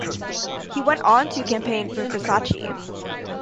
He went on to campaign for Versace.